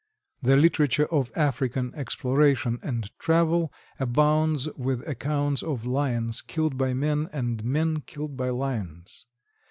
The literature of African exploration and travel abounds with accounts of Lions killed by men and men killed by Lions.